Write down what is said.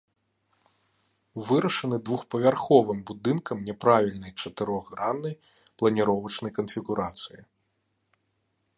Вырашаны двухпавярховым будынкам няправільнай чатырохграннай планіровачнай канфігурацыі.